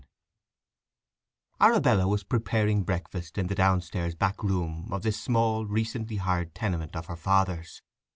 VII Arabella was preparing breakfast in the downstairs back room of this small, recently hired tenement of her father's.